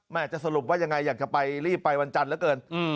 จะสรุปว่ายังไงอยากจะไปรีบไปวันจันทร์เหลือเกิน